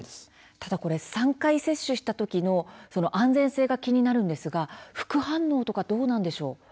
ただ３回接種したときの安全性が気になるんですが副反応はどうなるんでしょうか。